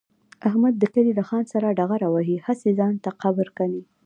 احمد د کلي له خان سره ډغره وهي، هسې ځان ته قبر کني.